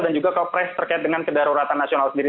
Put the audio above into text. dan juga kepres terkait dengan kedaruratan nasional sendiri